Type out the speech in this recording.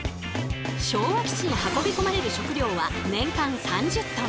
昭和基地に運びこまれる食料は年間３０トン。